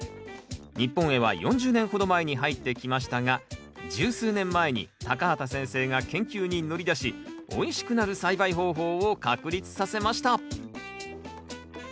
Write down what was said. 日本へは４０年ほど前に入ってきましたが十数年前に畑先生が研究に乗り出しおいしくなる栽培方法を確立させました。